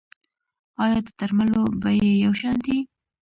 آیا د درملو بیې یو شان دي؟